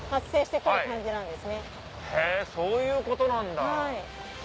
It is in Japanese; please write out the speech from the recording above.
へぇそういうことなんだ。